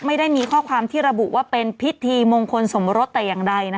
ไม่ได้มีข้อความที่ระบุว่าเป็นพิธีมงคลสมรสแต่อย่างใด